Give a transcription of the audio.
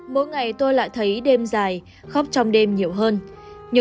mỗi ngày tôi lại thấy đêm dài khóc trong đêm nhiều hơn